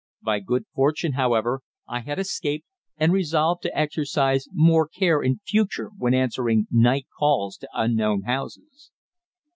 By good fortune, however, I had escaped, and resolved to exercise more care in future when answering night calls to unknown houses.